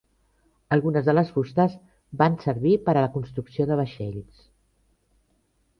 Algunes de les fustes van servir per a la construcció de vaixells.